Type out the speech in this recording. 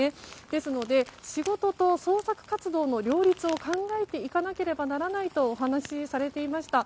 ですので、仕事と捜索活動の両立を考えていかなければならないとお話しされていました。